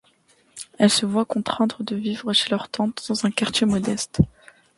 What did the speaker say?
Elles se voient contraintes de vivre chez leur tante, dans un quartier modeste.